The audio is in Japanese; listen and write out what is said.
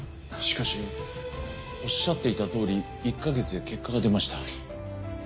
しかしおっしゃっていたとおり１か月で結果が出ました。